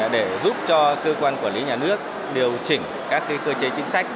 để giúp cho cơ quan quản lý nhà nước điều chỉnh các cơ chế chính sách